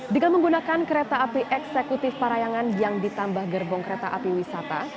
dengan menggunakan kereta api eksekutif parayangan yang ditambah gerbong kereta api wisata